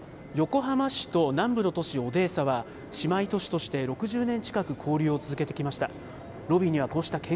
横浜市と南部の都市オデーサは、姉妹都市として６０年近く交流を続けてきました。